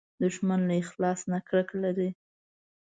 دښمن له اخلاص نه کرکه لري